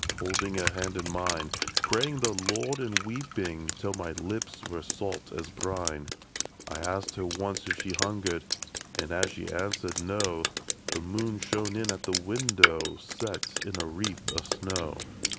Holding her hand in mine. Praying the Lord, and weeping Till my lips were salt as brine. k IN THE WORKHOUSE. 13 I asked her once if she hungered, And as she answered * No/ The moon shone in at the window Set in a wreath of snow.